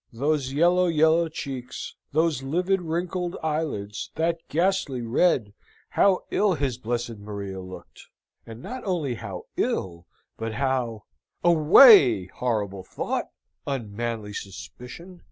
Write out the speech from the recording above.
Those yellow, yellow cheeks, those livid wrinkled eyelids, that ghastly red how ill his blessed Maria looked! And not only how ill, but how away, horrible thought, unmanly suspicion!